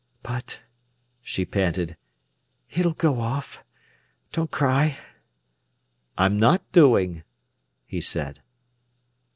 "But," she panted, "it'll go off. Don't cry!" "I'm not doing," he said.